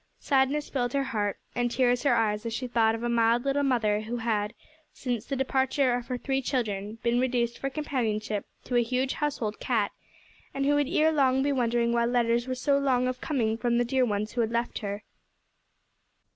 Sadness filled her heart, and tears her eyes, as she thought of a mild little mother who had, since the departure of her three children, been reduced for companionship to a huge household cat, and who would ere long be wondering why letters were so long of coming from the dear ones who had left her.